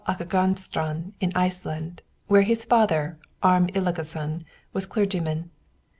Akàgaströnd, in Iceland, where his father, Arm Illugason, was clergyman.